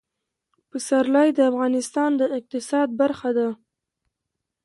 پسرلی د افغانستان د اقتصاد برخه ده.